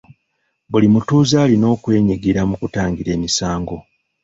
Buli mutuuze alina okwenyigira mu kutangira emisango.